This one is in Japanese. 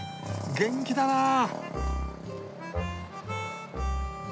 元気だなぁ！